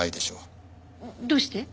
どうして？